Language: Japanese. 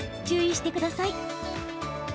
注意してください。